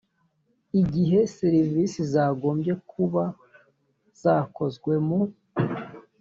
igihe servisi zagombye kuba zakozwe mu